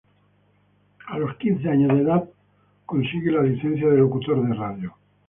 A los quince años de edad obtiene la licencia de locutor de radio.